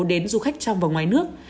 đến du khách trong và ngoài nước